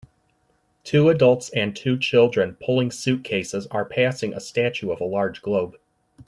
Two adults and two children pulling suitcases are passing a statue of a large globe.